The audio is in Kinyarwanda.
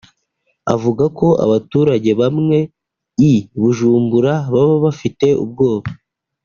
Avuga ko abaturage bamwe i Bujumbura baba bafite ubwoba